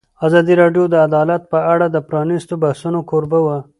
ازادي راډیو د عدالت په اړه د پرانیستو بحثونو کوربه وه.